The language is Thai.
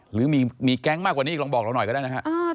หรือมีแก๊งมากกว่านี้ลองบอกเราหน่อยก็ได้นะฮะ